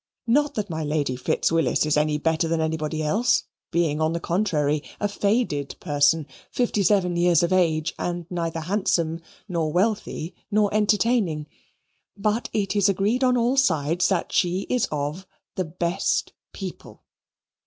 Not that my Lady Fitz Willis is any better than anybody else, being, on the contrary, a faded person, fifty seven years of age, and neither handsome, nor wealthy, nor entertaining; but it is agreed on all sides that she is of the "best people."